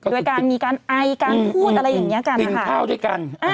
โดยมีการไอการพูดแบบนี้กัน